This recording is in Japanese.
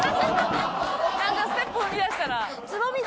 なんかステップ踏みだしたな。